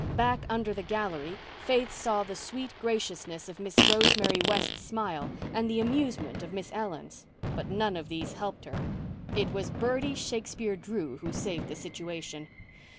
Back under the gallery Faith saw the sweet graciousness of Miss Rosemary West's smile and the amusement of Miss Ellen's. But none of these helped her. It was Bertie Shakespeare Drew who saved the situation.